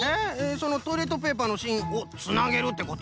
そのトイレットペーパーのしんをつなげるってこと？